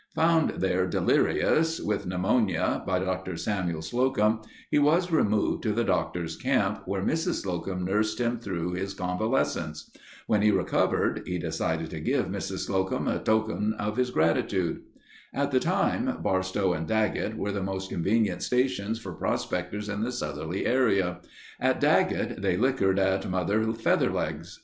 Found there delirious, with pneumonia, by Dr. Samuel Slocum, he was removed to the Doctor's camp where Mrs. Slocum nursed him through his convalescence. When he recovered he decided to give Mrs. Slocum a token of his gratitude. At the time, Barstow and Daggett were the most convenient stations for prospectors in the southerly area. At Daggett they likkered at Mother Featherlegs'.